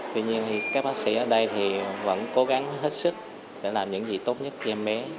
tuy nhiên thì các bác sĩ ở đây thì vẫn cố gắng hết sức để làm những gì tốt nhất cho em bé